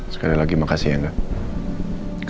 sekali lagi makasih ya mbak